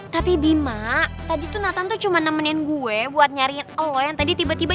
tapi bima tadi tuh natan tuh cuma nemenin gue buat nyariin allah yang tadi tiba tiba